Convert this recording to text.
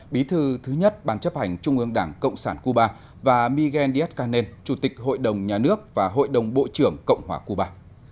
bí thư thứ nhất ban chấp hành trung ương đảng cộng sản cuba và miguel díaz canel chủ tịch hội đồng nhà nước và hội đồng bộ trưởng cộng hòa cuba